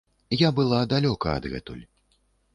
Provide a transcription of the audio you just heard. Я была далёка адгэтуль.